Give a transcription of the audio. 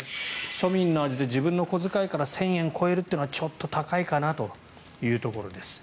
庶民の味で自分の小遣いから１０００円超えるのはちょっと高いかなというところです。